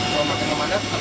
mau makin lemah kan